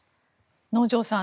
能條さん